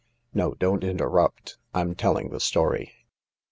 " No, don't interrupt. I'm telling the story.